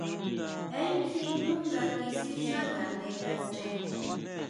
Jé kjín nú nga kisixá ngaʼnde kachan.